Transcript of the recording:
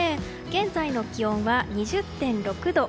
現在の気温は２０．６度。